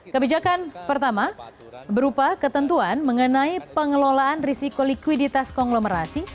kebijakan pertama berupa ketentuan mengenai pengelolaan risiko likuiditas konglomerasi